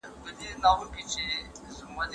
کابل او سوات زموږ د نیکونو د ننګ او غیرت نښې دي.